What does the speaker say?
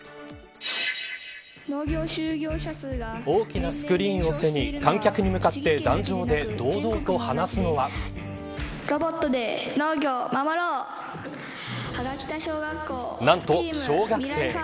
大きなスクリーンを背に観客に向かって壇上で堂々と話すのは何と、小学生。